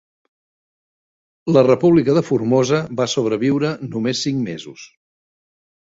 La República de Formosa va sobreviure només cinc mesos.